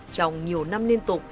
trong nhiều năm liên tục